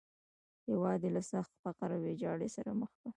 هېواد یې له سخت فقر او ویجاړۍ سره مخ کړ.